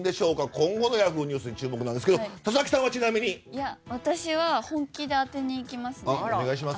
今後のＹａｈｏｏ！ニュースに注目ですが私は本気で当てにいきますね。